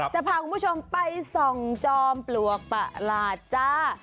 จะพาคุณผู้ชมไปส่องจอมปลวกประหลาดจ้า